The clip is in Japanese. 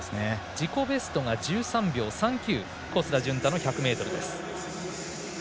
自己ベストが１３秒３９小須田潤太の１００ｍです。